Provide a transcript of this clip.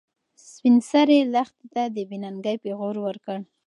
سپین سرې لښتې ته د بې ننګۍ پېغور ورکړ.